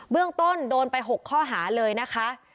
เรื่องต้นโดนไป๖ข้อหาเลยนะคะ